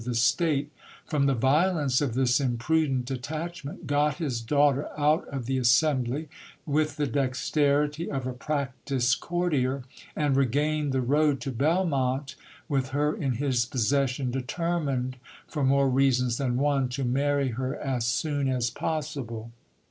the state from the violence of this imprudent attachment, got his daughter out of the assembly with the dexterity of a practised courtier, and regained the road to Belmonte with her in his possession, determined, for more reasons than one, to marry her as soon as possible.